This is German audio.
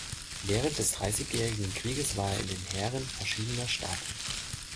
Während des Dreißigjährigen Krieges war er in den Heeren verschiedener Staaten.